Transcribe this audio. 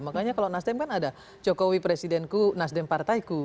makanya kalau nasdem kan ada jokowi presidenku nasdem partaiku